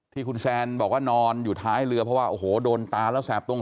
ที่คุณแซนบอกว่านอนอยู่ท้ายเรือเพราะว่าโอ้โหโดนตาแล้วแสบตรง